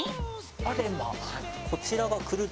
あれま。